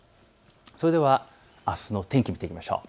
それではあすの天気を見ていきましょう。